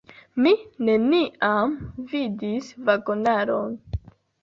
Mi neniam vidis vagonaron.